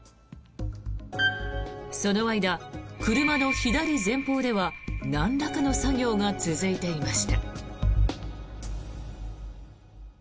その間、車の左前方ではなんらかの作業が続いていました。